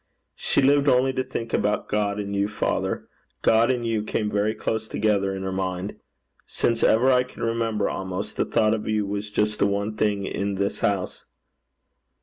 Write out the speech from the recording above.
She lived only to think about God and you, father. God and you came very close together in her mind. Since ever I can remember, almost, the thought of you was just the one thing in this house.'